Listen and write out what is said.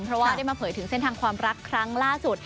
เพราะว่าได้มาเผยถึงเส้นทางความรักครั้งล่าสุด